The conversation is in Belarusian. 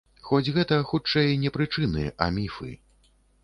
Хоць гэта, хутчэй, не прычыны, а міфы.